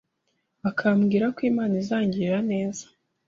bakambwirako Imana izangirira neza